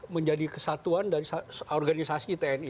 menjadi kesatuan dari organisasi tni